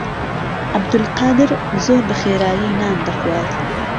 عەبدولقادر زۆر بەخێرایی نان دەخوات.